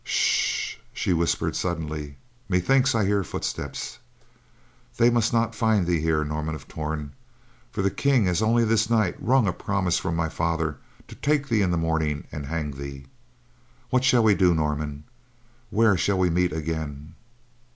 "Sh!" she whispered, suddenly, "methinks I hear footsteps. They must not find thee here, Norman of Torn, for the King has only this night wrung a promise from my father to take thee in the morning and hang thee. What shall we do, Norman? Where shall we meet again?"